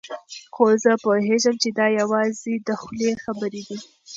خو زه پوهېږم چې دا یوازې د خولې خبرې دي.